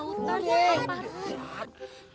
udah enggak pak